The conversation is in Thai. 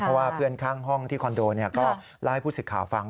เพราะว่าเพื่อนข้างห้องที่คอนโดก็เล่าให้ผู้สิทธิ์ข่าวฟัง